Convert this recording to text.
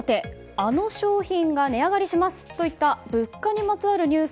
あの商品が値上がりしますといった物価にまつわるニュース